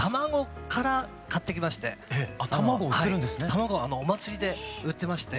卵お祭りで売ってまして。